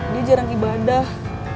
dia jarang ibadah